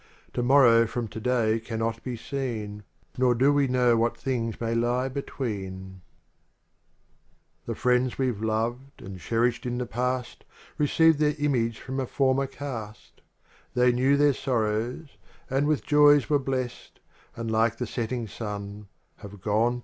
Tomorrow from today cannot be seen. Nor do we know what things may lie between, XX EI The friends we've loved and cherished in the past Received their image from a former cast ; They knew their sorrows, and with joys were blest, And like the setting sun have gone to rest, ai _